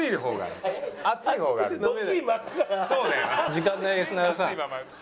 時間ないです